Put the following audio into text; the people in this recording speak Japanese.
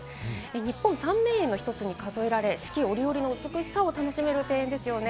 日本三名園の一つに数えられ、四季折々の美しさを楽しめる庭園ですよね。